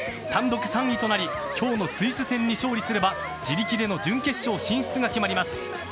単独３位となり今日のスイス戦に勝利すれば自力での準決勝進出が決まります。